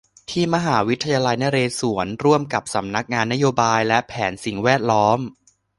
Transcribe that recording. ที่มหาวิทยาลัยนเรศวรร่วมกับสำนักงานนโยบายและแผนสิ่งแวดล้อม